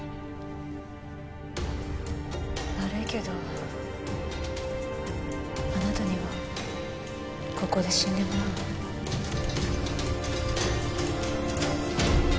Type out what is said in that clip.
悪いけどあなたにはここで死んでもらうわ。